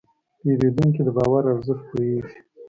پیرودونکی د باور ارزښت پوهېږي.